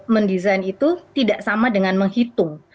mendesain itu tidak sama dengan menghitung